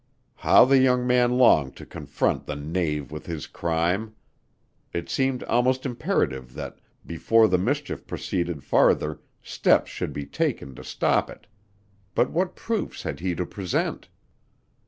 How the young man longed to confront the knave with his crime! It seemed almost imperative that before the mischief proceeded farther steps should be taken to stop it. But what proofs had he to present?